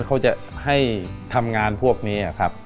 เขาจะให้ทำงานพวกนี้ครับ